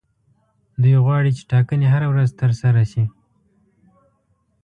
دوی غواړي چې ټاکنې هره ورځ ترسره شي.